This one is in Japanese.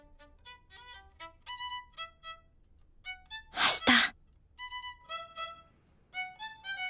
あした。